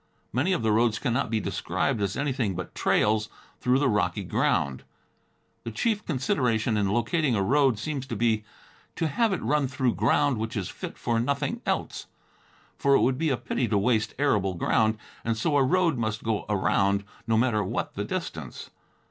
Many of the roads cannot be described as anything but trails through the rocky ground. The chief consideration in locating a road seems to be to have it run through ground which is fit for nothing else, for it would be a pity to waste arable ground, and so a road must go around, no matter what the distance.